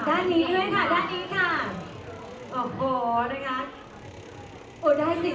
ด้านนี้ด้วยค่ะด้านนี้ค่ะโอ้โหนะคะโอ้ได้สิ